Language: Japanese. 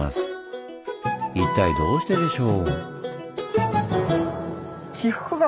一体どうしてでしょう？